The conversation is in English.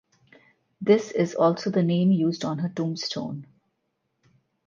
This is also the name used on her tombstone.